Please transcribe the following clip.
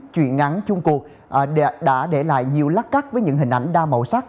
một mươi chín truyện ngắn chung cuộc đã để lại nhiều lắc cắt với những hình ảnh đa màu sắc